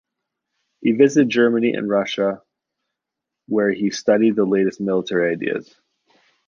He visited Germany and Russia where he studied the latest military ideas.